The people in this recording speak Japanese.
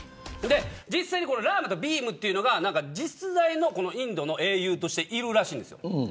実際にラーマとビームというのは実在のインドの英雄としているらしいんですよ。